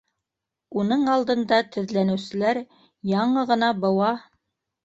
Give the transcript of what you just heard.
Уның алдында теҙләнеүселәр яңы ғына быуа